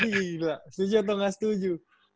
gila setuju atau gak setuju